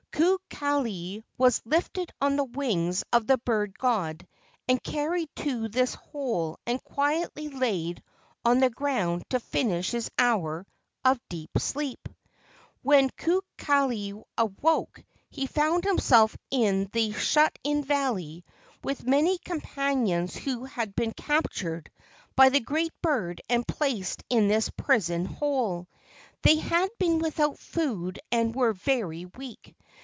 Kukali was lifted on the wings of the bird god and carried to this hole and quietly laid on the ground to finish his hour of deep sleep. THE STRANGE BANANA SKIN 69 When Kukali awoke he found himself in the shut in valley with many companions who had been captured by the great bird and placed in this prison hole. They had been without food and were very weak.